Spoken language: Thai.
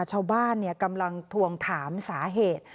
ชาวบ้านกำลังทวงถามสาเหตุ